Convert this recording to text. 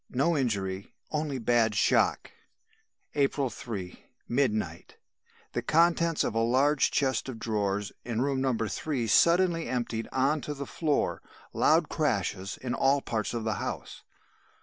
No injury, only bad shock. "April 3, midnight. The contents of a large chest of drawers in room No. 3 suddenly emptied on to the floor. Loud crashes in all parts of the house.